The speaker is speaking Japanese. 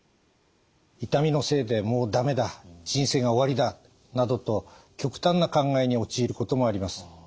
「痛みのせいでもう駄目だ人生が終わりだ」などと極端な考えに陥ることもあります。